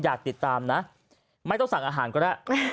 อยากติดตามนะไม่ต้องสั่งอาหารก็ได้